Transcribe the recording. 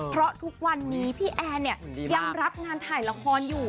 เพราะทุกวันนี้พี่แอนเนี่ยยังรับงานถ่ายละครอยู่